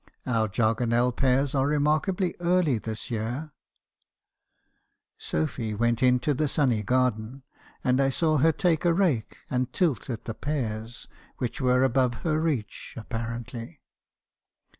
Our jargonelle pears are remarkably early this year.' "Sophy went into the sunny garden, and I saw her take a rake and tilt at the pears, which were above her reach, ap parently.